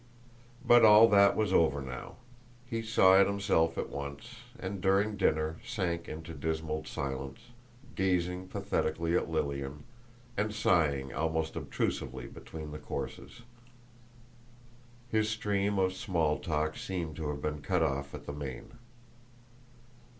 But all that was over now; he saw it himself at once, and during dinner sank into dismal silence, gazing pathetically at Lilian, and sighing almost obtrusively between the courses. His stream of small talk seemed to have been cut off at the main.